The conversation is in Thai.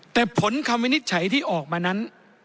แต่ผลคำวินิจฉัยที่ออกมานั้น